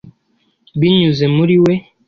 binyuze muri we